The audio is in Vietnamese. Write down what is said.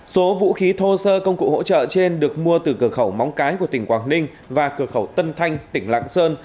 số vũ khí thô sơ công cụ hỗ trợ trên được mua từ cửa khẩu móng cái của tỉnh quảng ninh và cửa khẩu tân thanh tỉnh lạng sơn